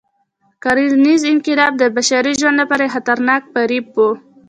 کرنيز انقلاب د بشري ژوند لپاره یو خطرناک فریب و.